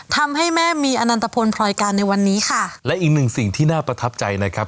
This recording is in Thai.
ทำให้แม่มีอนันตพลพรอยการในวันนี้ค่ะและอีกหนึ่งสิ่งที่น่าประทับใจนะครับ